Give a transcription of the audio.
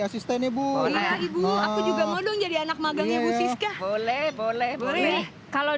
asisten ibu iya ibu aku juga mau dong jadi anak magangnya bu siska boleh boleh boleh kalau